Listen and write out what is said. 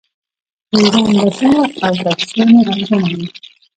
د ایران بسونه او ټکسیانې ارزانه دي.